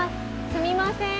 すみません。